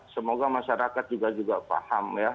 semoga masyarakat juga juga paham ya